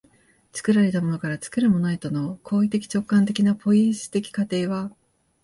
作られたものから作るものへとの行為的直観的なポイエシス的過程は